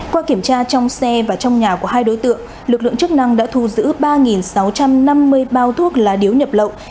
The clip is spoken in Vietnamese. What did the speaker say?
qua kiểm tra trong xe và trong nhà của hai đối tượng lực lượng chức năng đã thu giữ ba sáu trăm năm mươi bao thuốc lá điếu nhập lậu